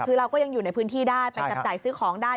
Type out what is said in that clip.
คือเราก็ยังอยู่ในพื้นที่ได้ไปจับจ่ายซื้อของได้